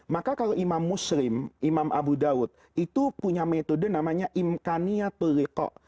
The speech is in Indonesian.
maka kalau imam muslim imam abu daud itu punya metode namanya imkaniyatulliko